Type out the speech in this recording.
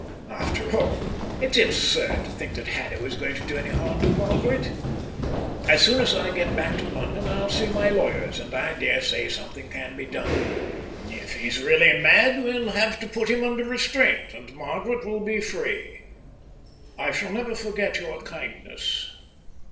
After all, it's absurd to think that Haddo is going to do any harm to Margaret. As soon at I get back to London, I'll see my lawyers, and I daresay something can be done. If he's really mad, we'll have to put him under restraint, and Margaret will be free. I shall never forget your kindness."